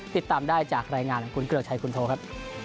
ติดตามได้จากรายงานของคุณเกลือกชัยคุณโทครับ